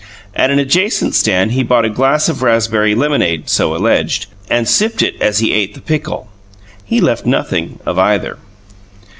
At an adjacent stand he bought a glass of raspberry lemonade (so alleged) and sipped it as he ate the pickle. He left nothing of either.